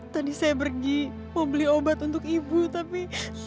tadi saya pergi mau beli obat untuk ibu tapi